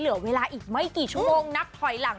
เหลือเวลาอีกไม่กี่ชั่วโมงนับถอยหลัง